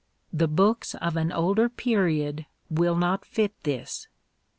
The books of an older period will not fit this."